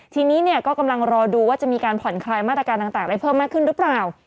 ทีนี้เนี่ยก็กำลังรอดูว่าจะมีการผ่อนคลายมาตรการต่างได้เพิ่มมากขึ้นหรือเปล่า